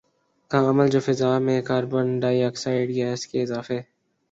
کا عمل جو فضا میں کاربن ڈائی آکسائیڈ گیس کے اضافے